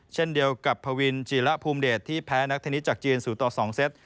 เช่นเดียวกับพวินจีระภูมิเดชที่แพ้นักเทนนิสจากจีน๐ต่อ๒เซต